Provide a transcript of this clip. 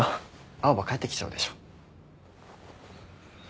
青羽帰ってきちゃうでしょ。